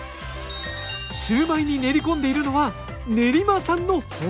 シューマイに練り込んでいるのは練馬産のほうれんそう。